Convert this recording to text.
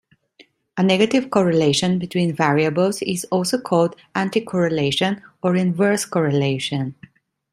A negative correlation between variables is also called anticorrelation or inverse correlation.